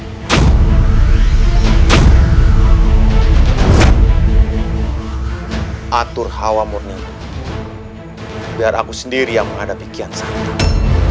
setelah kita dapatkan darah suci kian santai